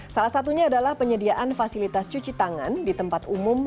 salah satunya adalah penyediaan fasilitas cuci tangan di tempat umum